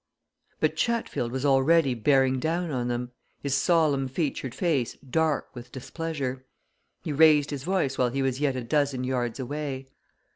But Chatfield was already bearing down on them, his solemn featured face dark with displeasure. He raised his voice while he was yet a dozen yards away.